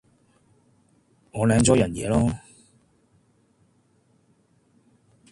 我領咗人嘢囉